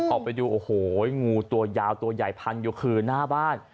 ออกไปดูโอ้โหงูตัวยาวตัวใหญ่พันอยู่คือหน้าบ้าน